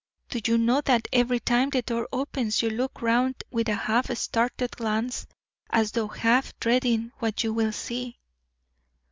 Do you know that every time the door opens you look round with a half startled glance, as though half dreading what you will see."